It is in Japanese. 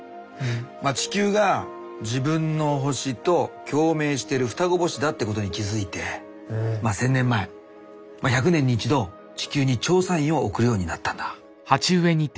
まあ地球が自分の星と共鳴してる双子星だってことに気付いてまあ１，０００年前まあ１００年に一度地球に調査員を送るようになったんだ。